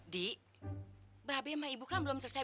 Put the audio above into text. di bahabe sama ibu kan belum selesai